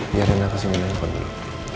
biarin aku sini main game dulu